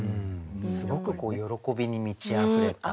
すごく喜びに満ちあふれた。